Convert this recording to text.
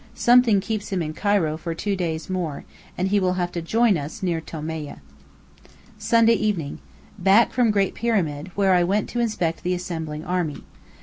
Something keeps him in Cairo for two days more, and he will have to join us near Tomieh. Sunday Evening: Back from Great Pyramid, where I went to inspect the assembling army.